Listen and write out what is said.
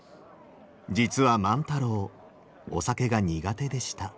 実は万太郎お酒が苦手でした。